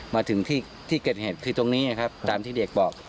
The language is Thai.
มาถึงที่เกิดเหตุคือตรงนี้ครับตามที่เด็กบอก